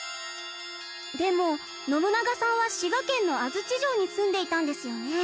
でも信長さんは滋賀県の安土城に住んでいたんですよね？